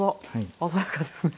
鮮やかですね。